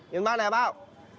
nhìn bao nè bao